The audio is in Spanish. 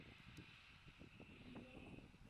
Partió como un gran favorito.